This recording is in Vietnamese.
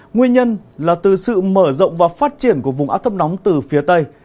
nguyên nhân là từ sự mở rộng và phát triển của vùng áp thấp nóng từ phía tây